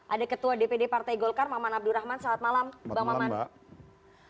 ada ketua dpd partai golkar maman abdurrahman selamat malam bang maman